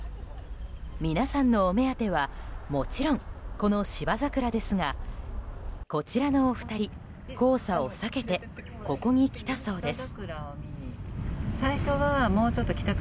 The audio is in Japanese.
皆さんのお目当てはもちろん、この芝桜ですがこちらのお二人、黄砂を避けてここに来たそうです。